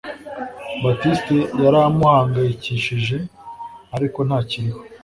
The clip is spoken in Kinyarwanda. Baptiste yari amuhangayikishije ariko ntakiriho